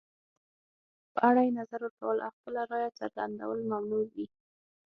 په اړه یې نظر ورکول او خپله رایه څرګندول ممنوع وي.